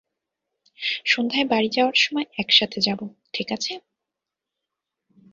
সন্ধ্যায় বাড়ি যাওয়ার সময় একসাথে যাবো, ঠিক আছে?